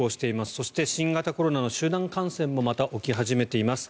そして、新型コロナの集団感染もまた起き始めています。